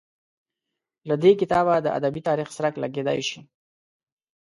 له دې کتابه د ادبي تاریخ څرک لګېدای شي.